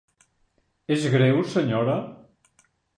És greu, senyora?